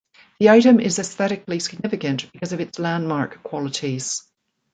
The item is aesthetically significant because of its landmark qualities.